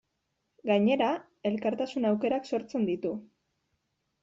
Gainera, elkartasun aukerak sortzen ditu.